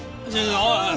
おいおい！